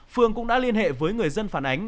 phương cũng đã liên hệ với người dân phản ánh